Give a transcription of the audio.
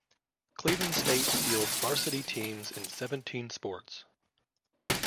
Cleveland State fields varsity teams in seventeen sports.